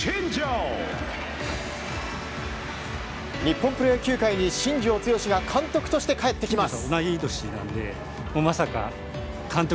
日本プロ野球界に新庄剛志が監督として帰ってきます！